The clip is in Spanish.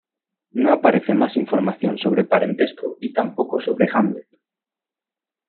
No aparece más información sobre parentesco y tampoco sobre Hamlet.